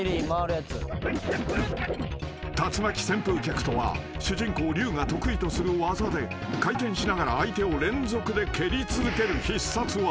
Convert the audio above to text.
［竜巻旋風脚とは主人公リュウが得意とする技で回転しながら相手を連続で蹴り続ける必殺技］